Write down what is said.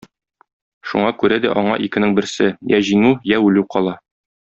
Шуңа күрә дә аңа икенең берсе: я җиңү, я үлү кала.